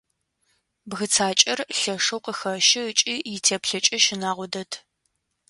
Бгыцакӏэр лъэшэу къыхэщы ыкӏи итеплъэкӏэ щынагъо дэд.